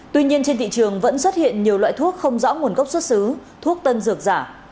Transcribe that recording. tuy nhiên trên thị trường vẫn xuất hiện nhiều loại thuốc không rõ nguồn gốc xuất xứ thuốc tân dược giả